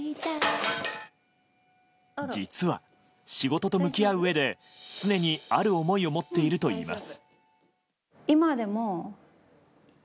実は、仕事と向き合ううえで常にある思いを持っているといいます。